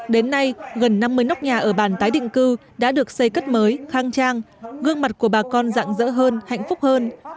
đến nay gần năm mươi nóc nhà ở bàn tái định cư đã được xây cất mới khang trang gương mặt của bà con dạng dỡ hơn hạnh phúc hơn